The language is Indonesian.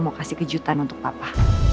mau kasih kejutan untuk papa